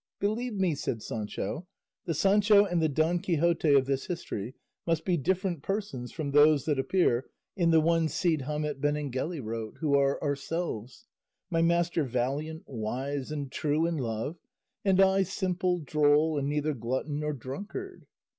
"Believe me," said Sancho, "the Sancho and the Don Quixote of this history must be different persons from those that appear in the one Cide Hamete Benengeli wrote, who are ourselves; my master valiant, wise, and true in love, and I simple, droll, and neither glutton nor drunkard."